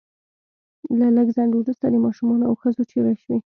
له لږ ځنډ وروسته د ماشومانو او ښځو چیغې شوې